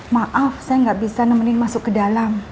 maaf saya nggak bisa nemenin masuk ke dalam